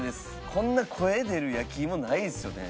こんな声出る焼き芋ないですよね。